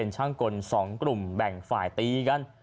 ช่างกล๒กลุ่มแบ่งฝ่ายตีกัน